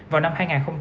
vào năm hai nghìn tám